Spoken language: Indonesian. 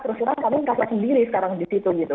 terus terang kami enggak fasil diri sekarang di situ gitu